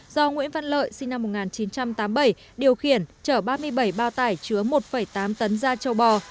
do nguyễn văn lợi sinh năm một nghìn chín trăm tám mươi bảy điều khiển chở ba mươi bảy bao tải chứa một tám tấn da châu bò